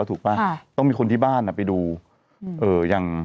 วิ่งไปตรงนี้วิ่งอย่างนี้เลย